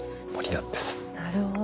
なるほど。